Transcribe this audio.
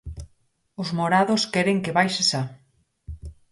Os morados queren que baixe xa.